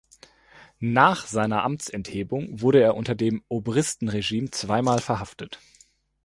Nach seiner Amtsenthebung wurde er unter dem Obristen-Regime zweimal verhaftet.